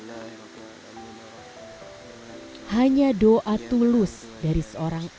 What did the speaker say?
pada saat ini robin tidak bisa mengurus ibu secara langsung